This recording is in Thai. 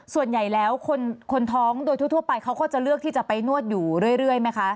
ส่วนใหญ่แล้วคนท้องโดยทั่วไปเขาก็จะเลือกที่จะไปนวดอยู่เรื่อยไหมคะ